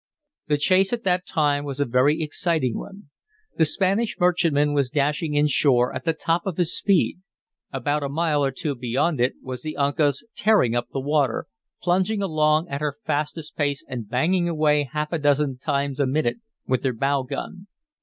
The chase at that time was a very exciting one. The Spanish merchantman was dashing in shore at the top of his speed. And a mile or two beyond it was the Uncas tearing up the water, plunging along at her fastest pace and banging away half a dozen times a minute with her bow gun.